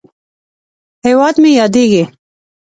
هیواد مې ياديږي